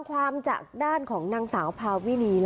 เขาไม่ได้มาทำงานแน่นถ้ามันเป็นทีน